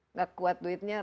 enggak kuat duitnya